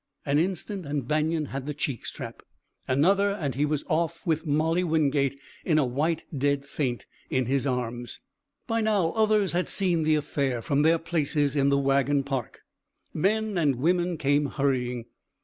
An instant and Banion had the cheek strap. Another and he was off, with Molly Wingate, in a white dead faint, in his arms. By now others had seen the affair from their places in the wagon park. Men and women came hurrying.